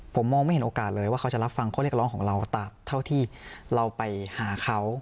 ผมมองไม่เห็นโอกาสเลยว่าเขาจะรับฟังข้อเรียกร้องของเราเท่าที่เราไปหาเขา